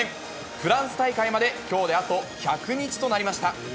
フランス大会まで、きょうであと１００日となりました。